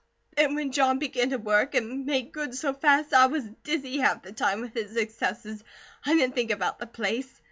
Then when John began to work and made good so fast I was dizzy half the time with his successes, I didn't think about the place.